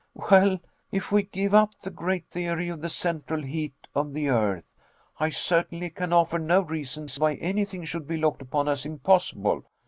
"Well, if we give up the great theory of the central heat of the earth, I certainly can offer no reasons why anything should be looked upon as impossible."